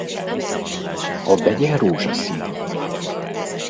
A begye rózsaszín.